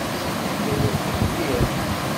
Sami yella yerfa mliḥ.